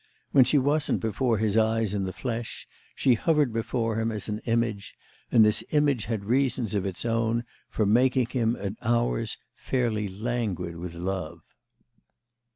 When she wasn't before his eyes in the flesh she hovered before him as an image, and this image had reasons of its own for making him at hours fairly languid with love.